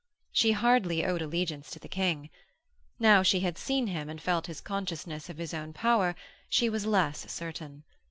She hardly owed allegiance to the King. Now she had seen him and felt his consciousness of his own power, she was less certain.